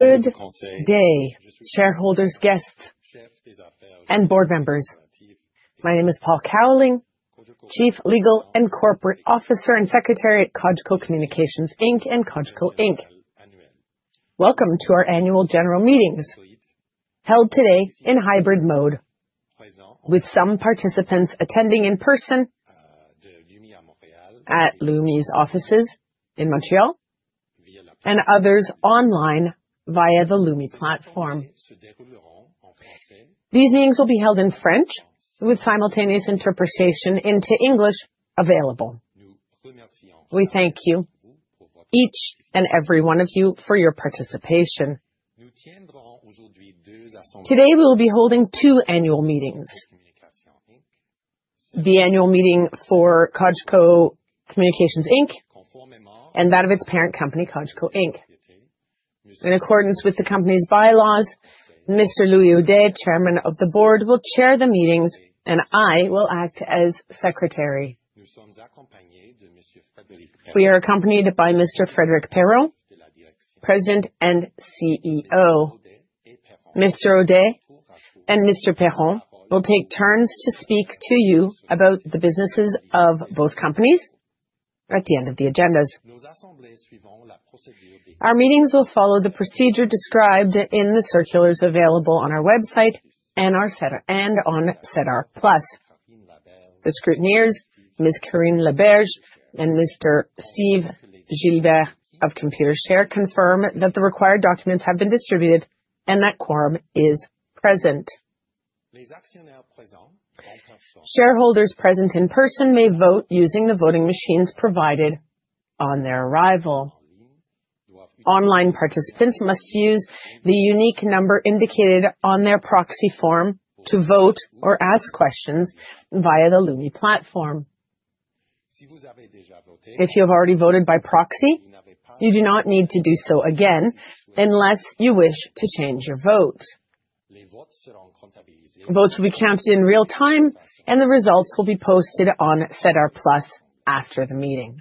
Good day, shareholders, guests, and board members. My name is Paul Cowling, Chief Legal and Corporate Officer and Secretary at Cogeco Communications Inc. and Cogeco Inc. Welcome to our annual general meetings held today in hybrid mode, with some participants attending in person at Lumi's offices in Montreal, and others online via the Lumi platform. These meetings will be held in French, with simultaneous interpretation into English available. We thank you, each and every one of you, for your participation. Today, we will be holding two annual meetings: the annual meeting for Cogeco Communications Inc. and that of its parent company, Cogeco Inc. In accordance with the company's bylaws, Mr. Louis Audet, Chairman of the Board, will chair the meetings, and I will act as Secretary. We are accompanied by Mr. Frédéric Perron, President and CEO. Mr. Audet and Mr. Perron will take turns to speak to you about the businesses of both companies at the end of the agendas. Our meetings will follow the procedure described in the circulars available on our website and on SEDAR+. The scrutineers, Ms. Karine Laberge and Mr. Steve Gilbert of Computershare, confirm that the required documents have been distributed and that quorum is present. Shareholders present in person may vote using the voting machines provided on their arrival. Online participants must use the unique number indicated on their proxy form to vote or ask questions via the Lumi platform. If you have already voted by proxy, you do not need to do so again unless you wish to change your vote. Votes will be counted in real time, and the results will be posted on SEDAR+ after the meeting.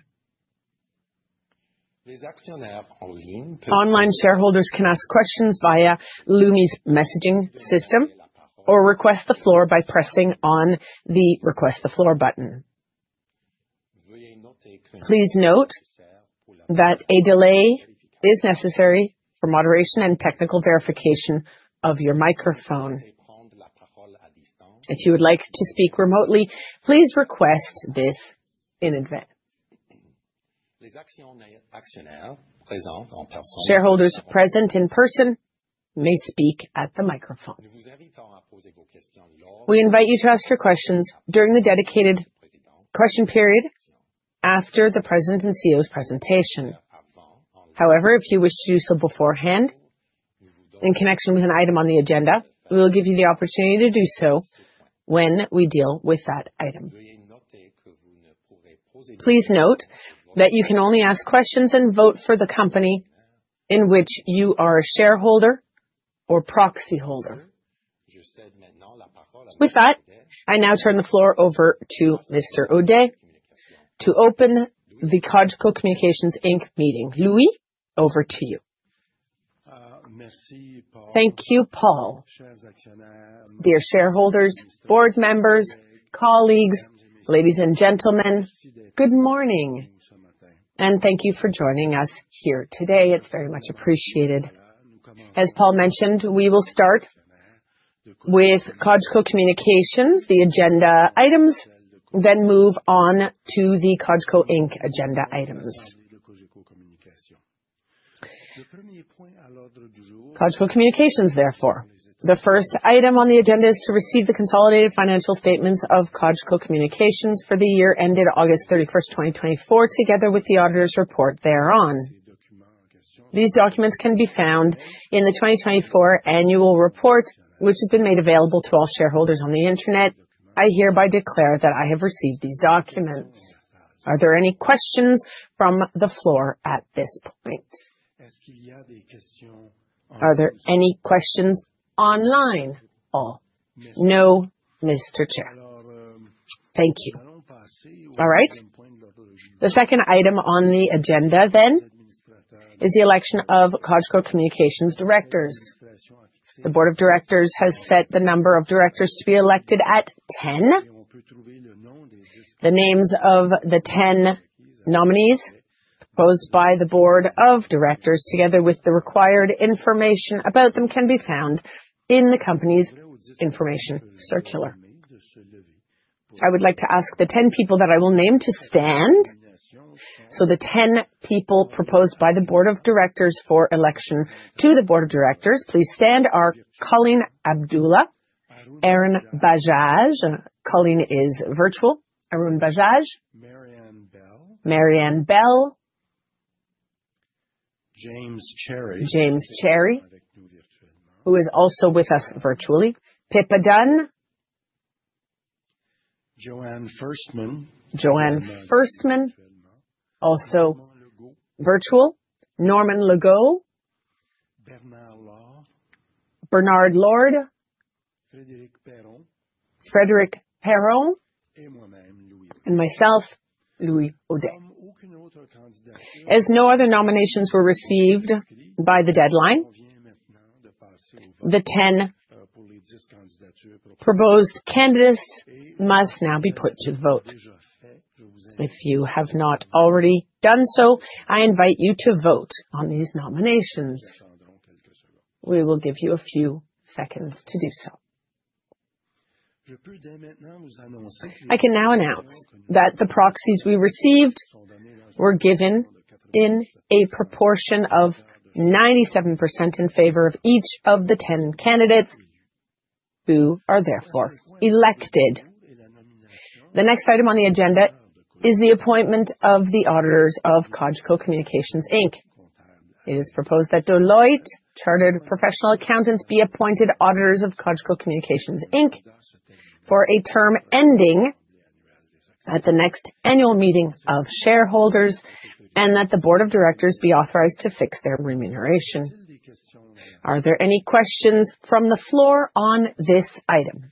Online shareholders can ask questions via Lumi's messaging system or request the floor by pressing on the Request the Floor button. Please note that a delay is necessary for moderation and technical verification of your microphone. If you would like to speak remotely, please request this in advance. Shareholders present in person may speak at the microphone. We invite you to ask your questions during the dedicated question period after the President and CEO's presentation. However, if you wish to do so beforehand in connection with an item on the agenda, we will give you the opportunity to do so when we deal with that item. Please note that you can only ask questions and vote for the company in which you are a shareholder or proxy holder. With that, I now turn the floor over to Mr. Audet to open the Cogeco Communications Inc. meeting. Louis, over to you. Thank you, Paul. Dear shareholders, board members, colleagues, ladies and gentlemen, good morning, and thank you for joining us here today. It's very much appreciated. As Paul mentioned, we will start with Cogeco Communications, the agenda items, then move on to the Cogeco Inc. agenda items. Cogeco Communications, therefore. The first item on the agenda is to receive the consolidated financial statements of Cogeco Communications for the year ended August 31st, 2024, together with the auditor's report thereon. These documents can be found in the 2024 annual report, which has been made available to all shareholders on the internet. I hereby declare that I have received these documents. Are there any questions from the floor at this point? Are there any questions online? Paul? No, Mr. Chair. Thank you. All right. The second item on the agenda then is the election of Cogeco Communications directors. The Board of Directors has set the number of directors to be elected at 10. The names of the 10 nominees proposed by the Board of Directors, together with the required information about them, can be found in the company's information circular. I would like to ask the 10 people that I will name to stand. So the 10 people proposed by the Board of Directors for election to the Board of Directors, please stand. Here are Colleen Abdoulah, Arun Bajaj. Colleen is virtual. Arun Bajaj. Mary-Ann Bell. James Cherry. James Cherry, who is also with us virtually. Pippa Dunn. Joanne Ferstman. Joanne Ferstman, also virtual. Normand Legault. Bernard Lord. Frédéric Perron. Frédéric Perron. And myself, Louis Audet. As no other nominations were received by the deadline, the 10 proposed candidates must now be put to the vote. If you have not already done so, I invite you to vote on these nominations. We will give you a few seconds to do so. I can now announce that the proxies we received were given in a proportion of 97% in favor of each of the 10 candidates who are therefore elected. The next item on the agenda is the appointment of the auditors of Cogeco Communications Inc. It is proposed that Deloitte Chartered Professional Accountants be appointed auditors of Cogeco Communications Inc. for a term ending at the next annual meeting of shareholders and that the Board of Directors be authorized to fix their remuneration. Are there any questions from the floor on this item?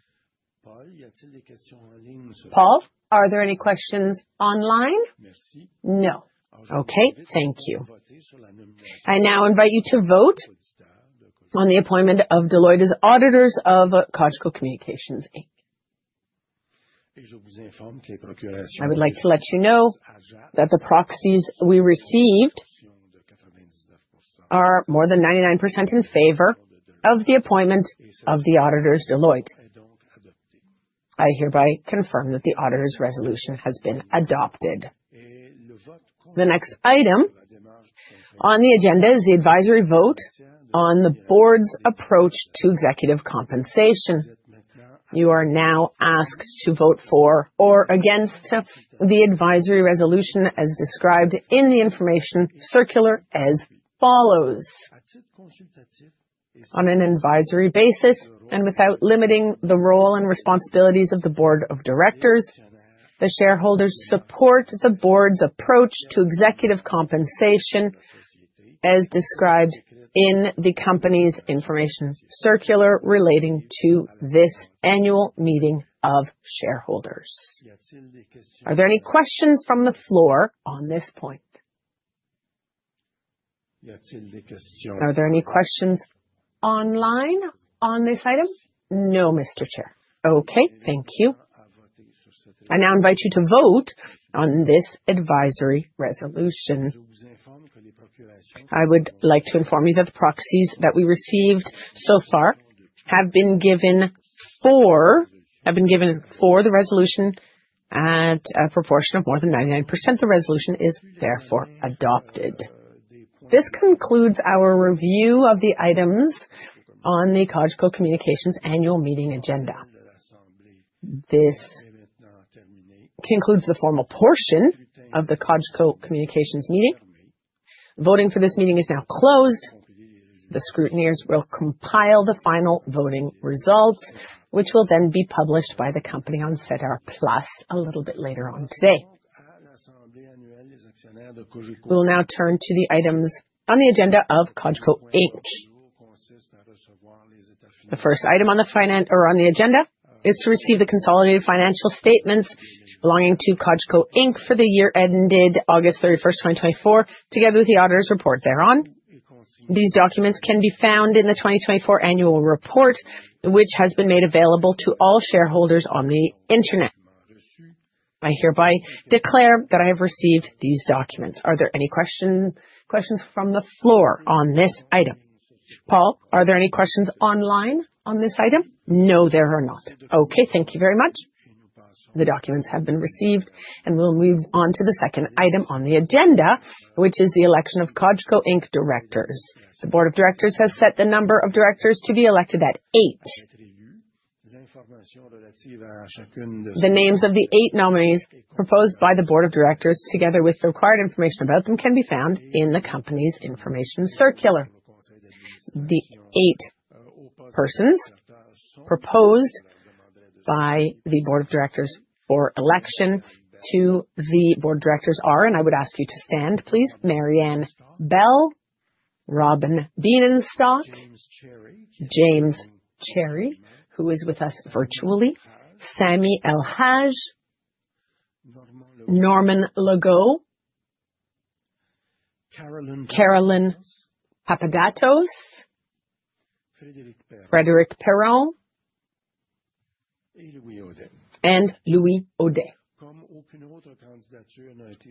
Paul, are there any questions online? No. Okay, thank you. I now invite you to vote on the appointment of Deloitte as auditors of Cogeco Communications Inc. I would like to let you know that the proxies we received are more than 99% in favor of the appointment of the auditors Deloitte. I hereby confirm that the auditor's resolution has been adopted. The next item on the agenda is the advisory vote on the board's approach to executive compensation. You are now asked to vote for or against the advisory resolution as described in the information circular as follows. On an advisory basis and without limiting the role and responsibilities of the Board of Directors, the shareholders support the board's approach to executive compensation as described in the company's information circular relating to this annual meeting of shareholders. Are there any questions from the floor on this point? Are there any questions online on this item? No, Mr. Chair. Okay, thank you. I now invite you to vote on this advisory resolution. I would like to inform you that the proxies that we received so far have been given for the resolution at a proportion of more than 99%. The resolution is therefore adopted. This concludes our review of the items on the Cogeco Communications annual meeting agenda. This concludes the formal portion of the Cogeco Communications meeting. Voting for this meeting is now closed. The scrutineers will compile the final voting results, which will then be published by the company on SEDAR+ a little bit later on today. We will now turn to the items on the agenda of Cogeco Inc. The first item on the agenda is to receive the consolidated financial statements belonging to Cogeco Inc. for the year ended August 31st, 2024, together with the auditor's report thereon. These documents can be found in the 2024 annual report, which has been made available to all shareholders on the internet. I hereby declare that I have received these documents. Are there any questions from the floor on this item? Paul, are there any questions online on this item? No, there are not. Okay, thank you very much. The documents have been received, and we'll move on to the second item on the agenda, which is the election of Cogeco Inc. directors. The Board of Directors has set the number of directors to be elected at eight. The names of the eight nominees proposed by the Board of Directors, together with the required information about them, can be found in the company's information circular. The eight persons proposed by the Board of Directors for election to the Board of Directors are, and I would ask you to stand, please, Mary-Ann Bell, Robin Bienenstock, James Cherry, who is with us virtually, Samie E. El-Agnaf, Normand Legault, Caroline Papadatos, Frédéric Perron, and Louis Audet.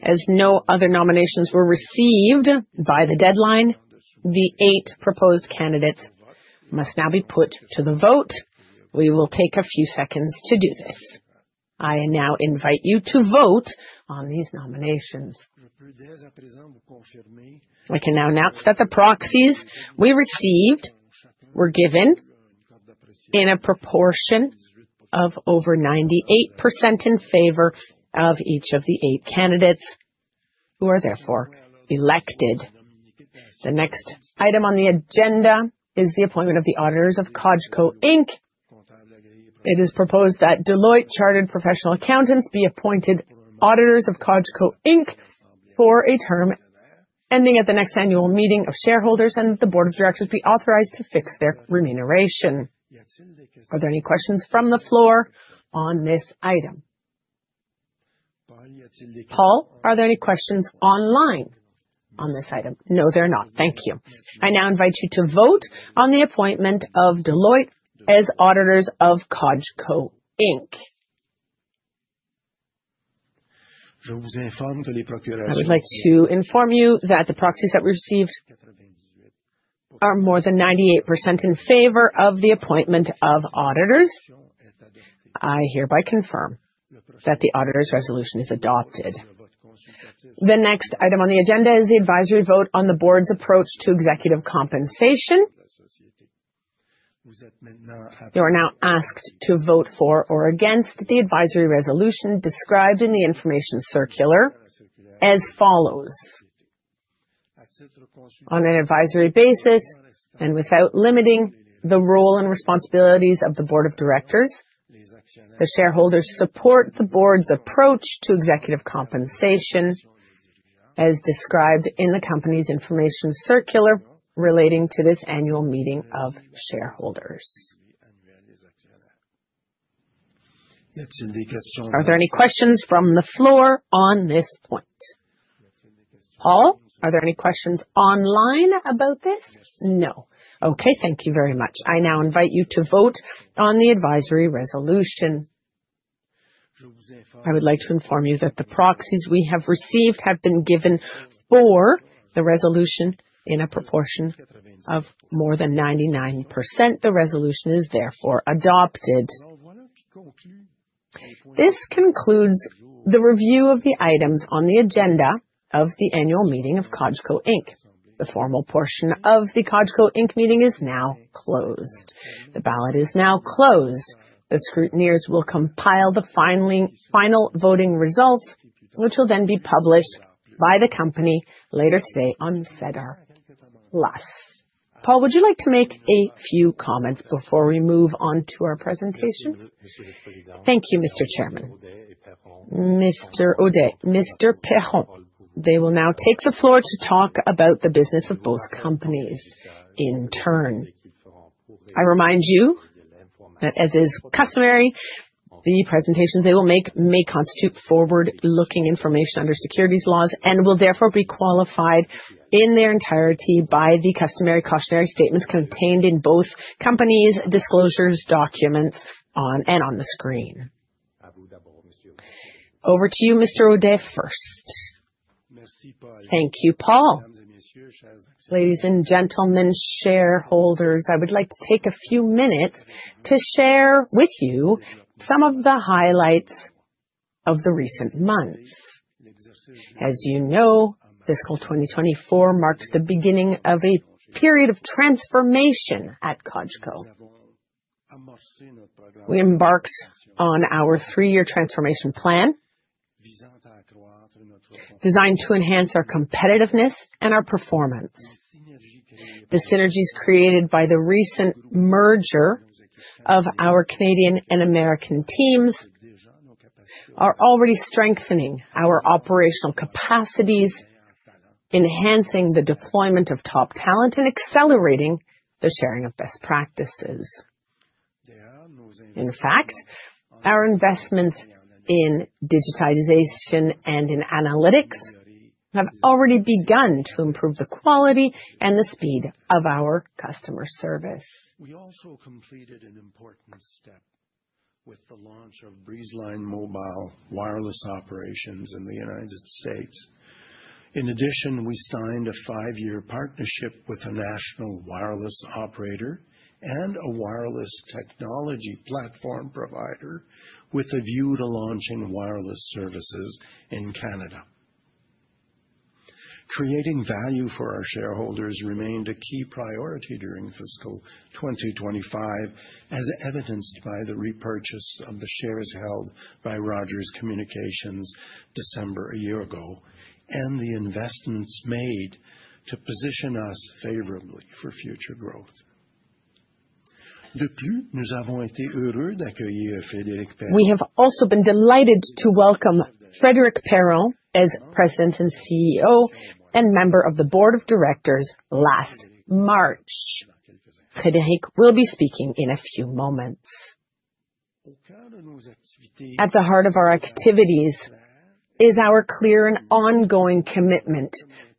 As no other nominations were received by the deadline, the eight proposed candidates must now be put to the vote. We will take a few seconds to do this. I now invite you to vote on these nominations. I can now announce that the proxies we received were given in a proportion of over 98% in favor of each of the eight candidates who are therefore elected. The next item on the agenda is the appointment of the auditors of Cogeco Inc. It is proposed that Deloitte Chartered Professional Accountants be appointed auditors of Cogeco Inc. for a term ending at the next annual meeting of shareholders, and the Board of Directors be authorized to fix their remuneration. Are there any questions from the floor on this item? Paul, are there any questions online on this item? No, there are not. Thank you. I now invite you to vote on the appointment of Deloitte as auditors of Cogeco Inc. I would like to inform you that the proxies that we received are more than 98% in favor of the appointment of auditors. I hereby confirm that the auditor's resolution is adopted. The next item on the agenda is the advisory vote on the board's approach to executive compensation. You are now asked to vote for or against the advisory resolution described in the information circular as follows. On an advisory basis and without limiting the role and responsibilities of the Board of Directors, the shareholders support the board's approach to executive compensation as described in the company's information circular relating to this annual meeting of shareholders. Are there any questions from the floor on this point? Paul, are there any questions online about this? No. Okay, thank you very much. I now invite you to vote on the advisory resolution. I would like to inform you that the proxies we have received have been given for the resolution in a proportion of more than 99%. The resolution is therefore adopted. This concludes the review of the items on the agenda of the annual meeting of Cogeco Inc. The formal portion of the Cogeco Inc. meeting is now closed. The ballot is now closed. The scrutineers will compile the final voting results, which will then be published by the company later today on SEDAR+. Paul, would you like to make a few comments before we move on to our presentation? Thank you, Mr. Chairman. Mr. Audet, Mr. Perron, they will now take the floor to talk about the business of both companies in turn. I remind you that, as is customary, the presentations they will make may constitute forward-looking information under securities laws and will therefore be qualified in their entirety by the customary cautionary statements contained in both companies' disclosures documents and on the screen. Over to you, Mr. Audet first. Thank you, Paul. Ladies and gentlemen, shareholders, I would like to take a few minutes to share with you some of the highlights of the recent months. As you know, fiscal 2024 marked the beginning of a period of transformation at Cogeco. We embarked on our three-year transformation plan designed to enhance our competitiveness and our performance. The synergies created by the recent merger of our Canadian and American teams are already strengthening our operational capacities, enhancing the deployment of top talent, and accelerating the sharing of best practices. In fact, our investments in digitization and in analytics have already begun to improve the quality and the speed of our customer service. We also completed an important step with the launch of Breezeline mobile wireless operations in the United States. In addition, we signed a five-year partnership with a national wireless operator and a wireless technology platform provider with a view to launching wireless services in Canada. Creating value for our shareholders remained a key priority during fiscal 2025, as evidenced by the repurchase of the shares held by Rogers Communications December a year ago and the investments made to position us favorably for future growth. We have also been delighted to welcome Frédéric Perron as President and CEO and member of the Board of Directors last March. Frédéric will be speaking in a few moments. At the heart of our activities is our clear and ongoing commitment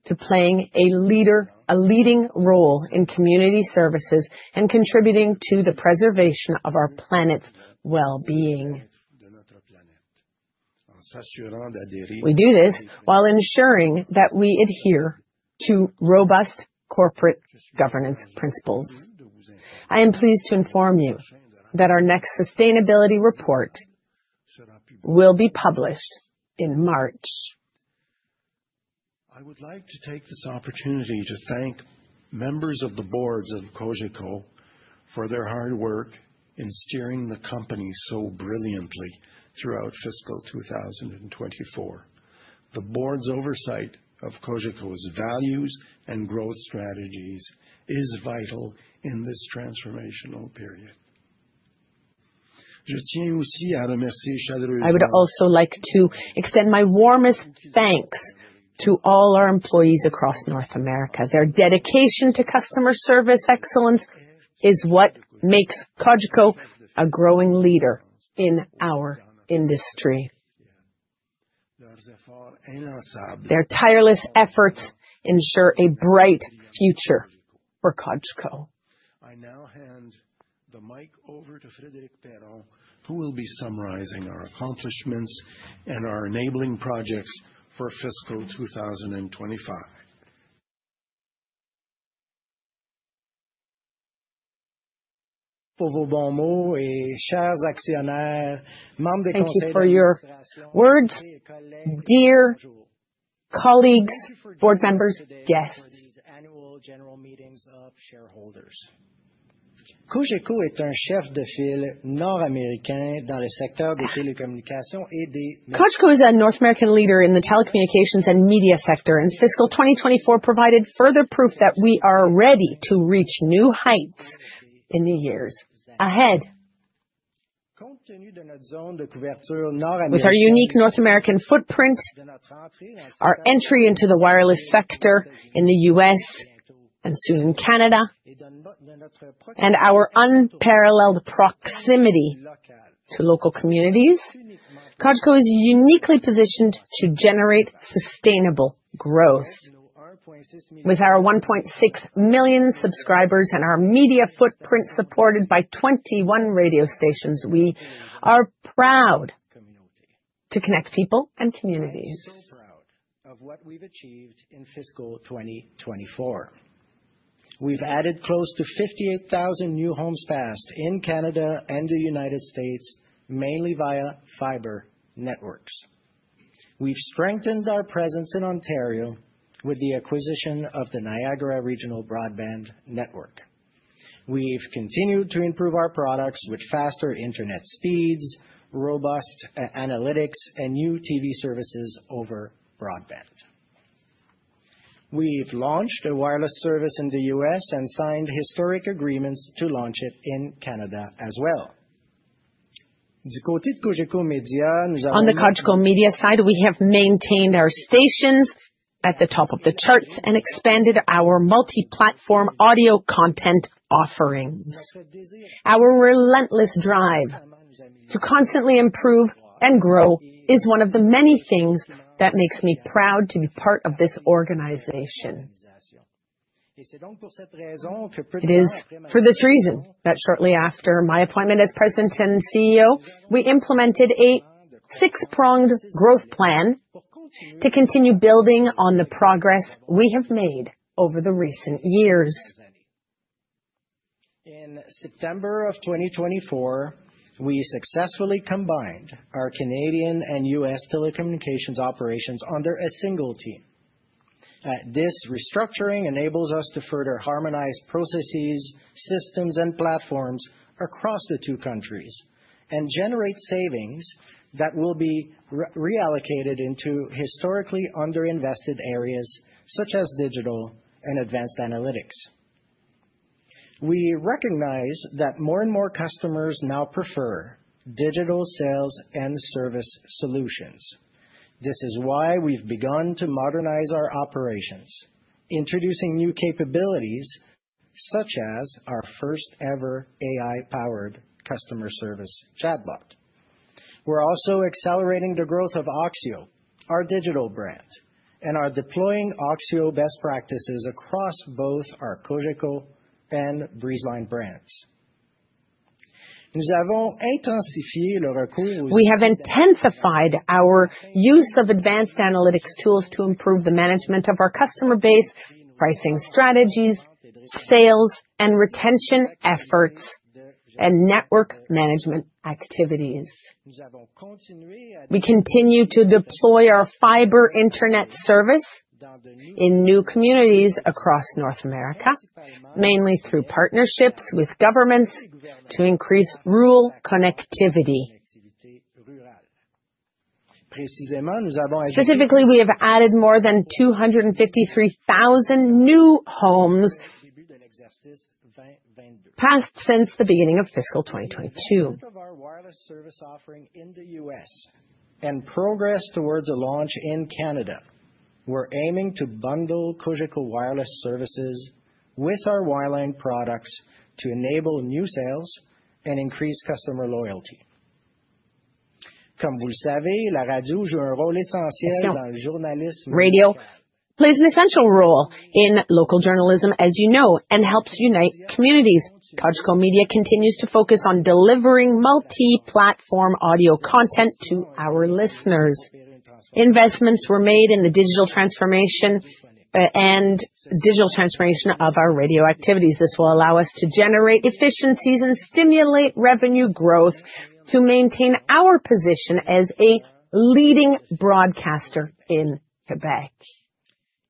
to playing a leading role in community services and contributing to the preservation of our planet's well-being. We do this while ensuring that we adhere to robust corporate governance principles. I am pleased to inform you that our next sustainability report will be published in March. I would like to take this opportunity to thank members of the boards of Cogeco for their hard work in steering the company so brilliantly throughout fiscal 2024. The board's oversight of Cogeco's values and growth strategies is vital in this transformational period. I would also like to extend my warmest thanks to all our employees across North America. Their dedication to customer service excellence is what makes Cogeco a growing leader in our industry. Their tireless efforts ensure a bright future for Cogeco. I now hand the mic over to Frédéric Perron, who will be summarizing our accomplishments and our enabling projects for fiscal 2025. Thank you for your words, dear colleagues, board members, guests. Cogeco is a North American leader in the telecommunications and media sector, and fiscal 2024 provided further proof that we are ready to reach new heights in the years ahead. With our unique North American footprint, our entry into the wireless sector in the U.S. and soon in Canada, and our unparalleled proximity to local communities, Cogeco is uniquely positioned to generate sustainable growth. With our 1.6 million subscribers and our media footprint supported by 21 radio stations, we are proud to connect people and communities. We are so proud of what we've achieved in fiscal 2024. We've added close to 58,000 new homes passed in Canada and the United States, mainly via fiber networks. We've strengthened our presence in Ontario with the acquisition of the Niagara Regional Broadband Network. We've continued to improve our products with faster internet speeds, robust analytics, and new TV services over broadband. We've launched a wireless service in the U.S. and signed historic agreements to launch it in Canada as well. On the Cogeco Media side, we have maintained our stations at the top of the charts and expanded our multi-platform audio content offerings. Our relentless drive to constantly improve and grow is one of the many things that makes me proud to be part of this organization. It is for this reason that shortly after my appointment as President and CEO, we implemented a six-pronged growth plan to continue building on the progress we have made over the recent years. In September of 2024, we successfully combined our Canadian and U.S. telecommunications operations under a single team. This restructuring enables us to further harmonize processes, systems, and platforms across the two countries and generate savings that will be reallocated into historically underinvested areas such as digital and advanced analytics. We recognize that more and more customers now prefer digital sales and service solutions. This is why we've begun to modernize our operations, introducing new capabilities such as our first-ever AI-powered customer service chatbot. We're also accelerating the growth of oxio, our digital brand, and are deploying oxio best practices across both our Cogeco and Breezeline brands. We have intensified our use of advanced analytics tools to improve the management of our customer base, pricing strategies, sales, and retention efforts and network management activities. We continue to deploy our fiber internet service in new communities across North America, mainly through partnerships with governments to increase rural connectivity. Specifically, we have added more than 253,000 new homes passed since the beginning of fiscal 2022. We're aiming to bundle Cogeco wireless services with our wireline products to enable new sales and increase customer loyalty. Radio plays an essential role in local journalism, as you know, and helps unite communities. Cogeco Media continues to focus on delivering multi-platform audio content to our listeners. Investments were made in the digital transformation of our radio activities. This will allow us to generate efficiencies and stimulate revenue growth to maintain our position as a leading broadcaster in Quebec.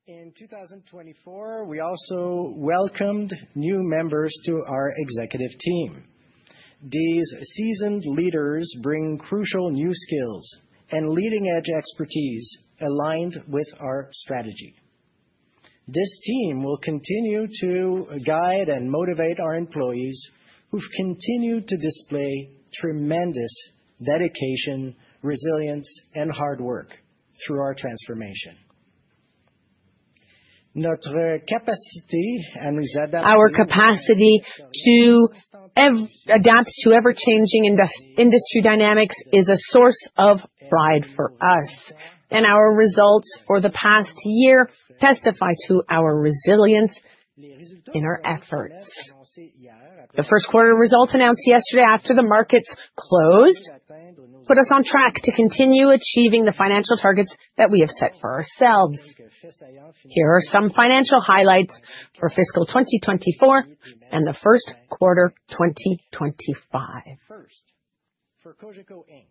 In 2024, we also welcomed new members to our executive team. These seasoned leaders bring crucial new skills and leading-edge expertise aligned with our strategy. This team will continue to guide and motivate our employees who've continued to display tremendous dedication, resilience, and hard work through our transformation. Our capacity to adapt to ever-changing industry dynamics is a source of pride for us, and our results for the past year testify to our resilience in our efforts. The first quarter results announced yesterday after the markets closed put us on track to continue achieving the financial targets that we have set for ourselves. Here are some financial highlights for fiscal 2024 and the first quarter 2025. For Cogeco Inc.,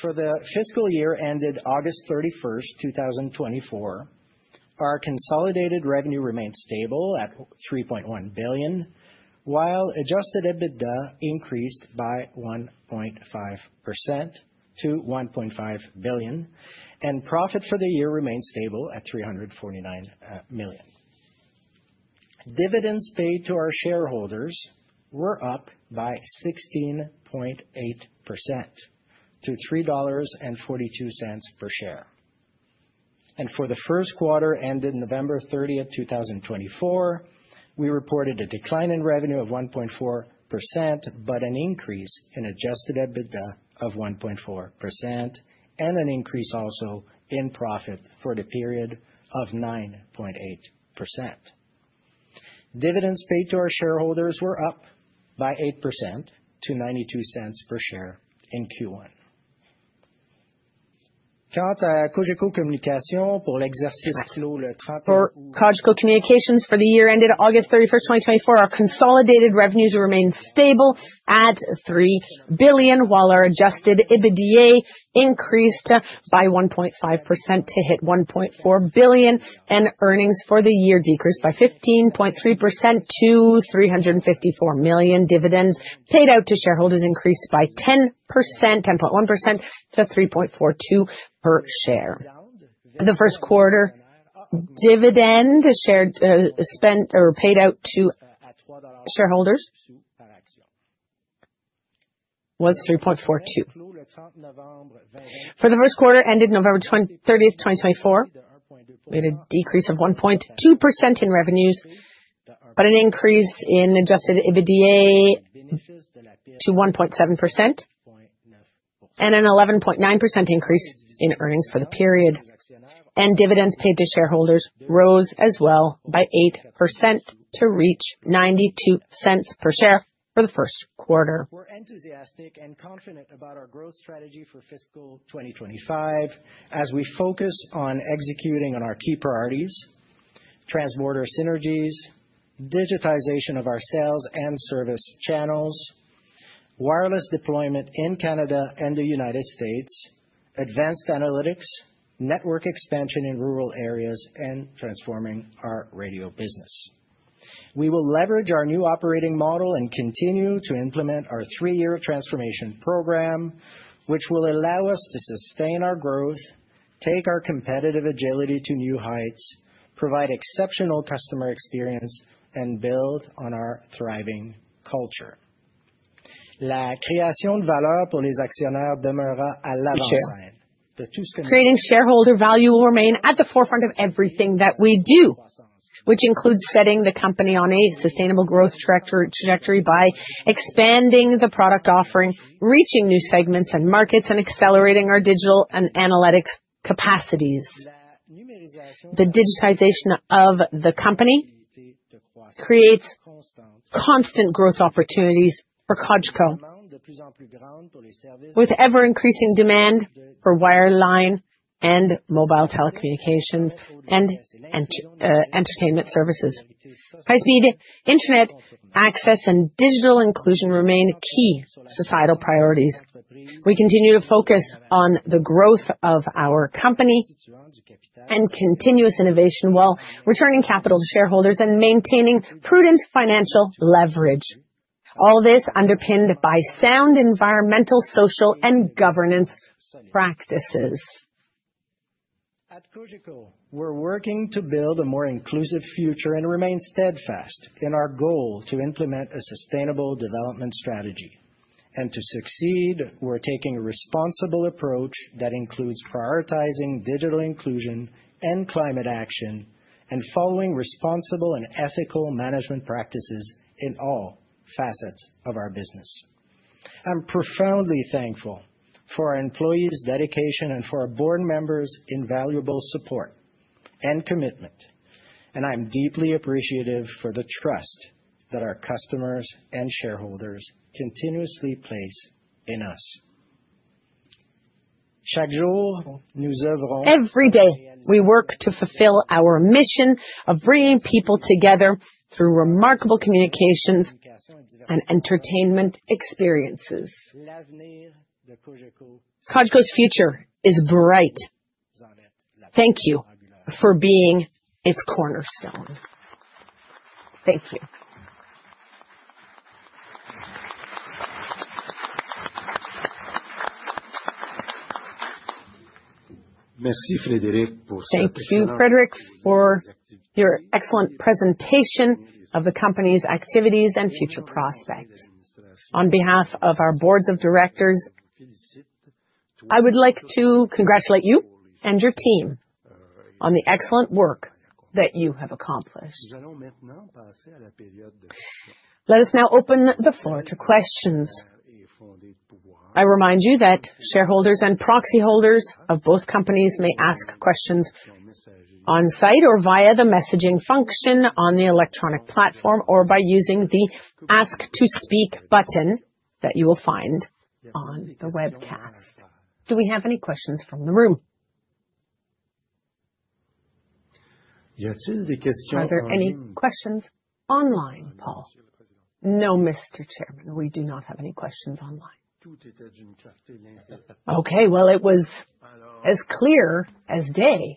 for the fiscal year ended August 31st, 2024, our consolidated revenue remained stable at 3.1 billion, while Adjusted EBITDA increased by 1.5% to 1.5 billion, and profit for the year remained stable at 349 million. Dividends paid to our shareholders were up by 16.8% to CAD 3.42 per share. And for the first quarter ended November 30th, 2024, we reported a decline in revenue of 1.4%, but an increase in Adjusted EBITDA of 1.4% and an increase also in profit for the period of 9.8%. Dividends paid to our shareholders were up by 8%-0.92 per share in Q1. For Cogeco Communications for the year ended August 31st, 2024, our consolidated revenues remained stable at 3 billion, while our Adjusted EBITDA increased by 1.5% to hit 1.4 billion, and earnings for the year decreased by 15.3%-354 million. Dividends paid out to shareholders increased by 10.1%-3.42 per share. The first quarter dividend share paid out to shareholders was 3.42. For the first quarter ended November 30th, 2024, we had a decrease of 1.2% in revenues, but an increase in Adjusted EBITDA to 1.7% and an 11.9% increase in earnings for the period, and dividends paid to shareholders rose as well by 8% to reach 0.92 per share for the first quarter. We're enthusiastic and confident about our growth strategy for fiscal 2025 as we focus on executing on our key priorities: transborder synergies, digitization of our sales and service channels, wireless deployment in Canada and the United States, advanced analytics, network expansion in rural areas, and transforming our radio business. We will leverage our new operating model and continue to implement our three-year transformation program, which will allow us to sustain our growth, take our competitive agility to new heights, provide exceptional customer experience, and build on our thriving culture. La création de valeur pour les actionnaires demeurera à l'avant-scène. Creating shareholder value will remain at the forefront of everything that we do, which includes setting the company on a sustainable growth trajectory by expanding the product offering, reaching new segments and markets, and accelerating our digital and analytics capacities. The digitization of the company creates constant growth opportunities for Cogeco, with ever-increasing demand for wireline and mobile telecommunications and entertainment services. High-speed internet access and digital inclusion remain key societal priorities. We continue to focus on the growth of our company and continuous innovation while returning capital to shareholders and maintaining prudent financial leverage. All this underpinned by sound environmental, social, and governance practices. At Cogeco, we're working to build a more inclusive future and remain steadfast in our goal to implement a sustainable development strategy, and to succeed, we're taking a responsible approach that includes prioritizing digital inclusion and climate action and following responsible and ethical management practices in all facets of our business. I'm profoundly thankful for our employees' dedication and for our board members' invaluable support and commitment, and I'm deeply appreciative for the trust that our customers and shareholders continuously place in us. Chaque jour, nous œuvrons. Every day, we work to fulfill our mission of bringing people together through remarkable communications and entertainment experiences. Cogeco's future is bright. Thank you for being its cornerstone. Thank you. Thank you, Frédéric, for your excellent presentation of the company's activities and future prospects. On behalf of our boards of directors, I would like to congratulate you and your team on the excellent work that you have accomplished. Let us now open the floor to questions. I remind you that shareholders and proxy holders of both companies may ask questions on site or via the messaging function on the electronic platform or by using the Ask to Speak button that you will find on the webcast. Do we have any questions from the room? Are there any questions online, Paul? No, Mr. Chairman, we do not have any questions online. Okay, well, it was as clear as day.